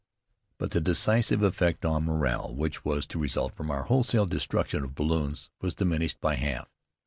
But the decisive effect on morale which was to result from our wholesale destruction of balloons was diminished by half.